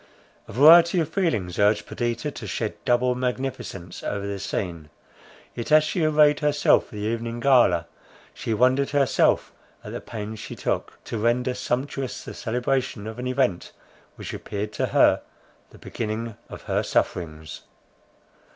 A variety of feelings urged Perdita to shed double magnificence over the scene; yet, as she arrayed herself for the evening gala, she wondered herself at the pains she took, to render sumptuous the celebration of an event which appeared to her the beginning of her sufferings.